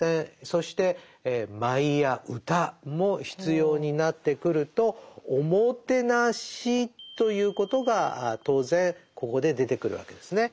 そして舞や歌も必要になってくるとおもてなしということが当然ここで出てくるわけですね。